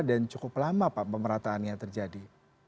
dan cukup lama pak pemerataannya terjadi